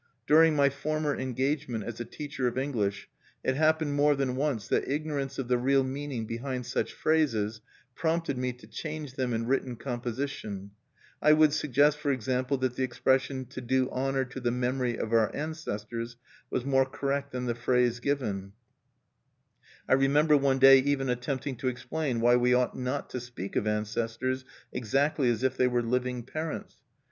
During my former engagement as a teacher of English, it happened more than once that ignorance of the real meaning behind such phrases prompted me to change them in written composition. I would suggest, for example, that the expression, "to do honor to the memory of our ancestors," was more correct than the phrase given. I remember one day even attempting to explain why we ought not to speak of ancestors exactly as if they were living parents!